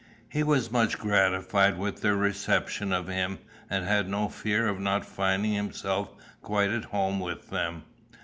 He was much gratified with their reception of him, and had no fear of not finding himself quite at home with them.